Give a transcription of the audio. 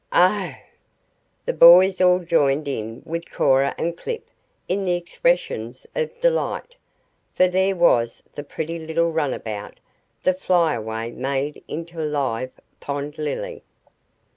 "Oh h h h!" The boys all joined in with Cora and Clip in the expressions of delight, for there was the pretty little runabout, the Flyaway, made into a "live pond lily."